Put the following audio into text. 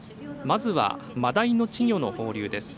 まずはマダイの稚魚の放流です。